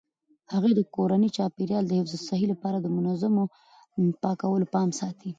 هغې د کورني چاپیریال د حفظ الصحې لپاره د منظمو پاکولو پام ساتي.